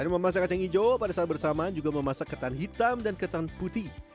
selain memasak kacang hijau pada saat bersamaan juga memasak ketan hitam dan ketan putih